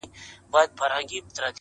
• یار اوسېږمه په ښار نا پرسان کي,